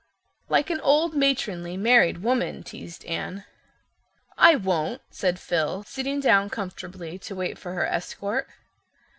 "Like an old, matronly, married woman," teased Anne. "I won't," said Phil, sitting down comfortably to wait for her escort.